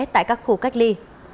tại các khu cách ly